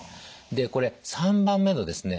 でこれ③番目のですね